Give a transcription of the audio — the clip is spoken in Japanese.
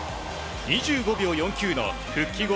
２５秒４９の復帰後